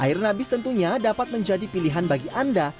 air nabis tentunya dapat menjadi pilihan bagi anda